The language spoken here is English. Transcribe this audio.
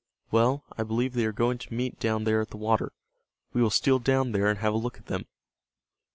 "Well, I believe they are going to meet down there at the water. We will steal down there and have a look at them."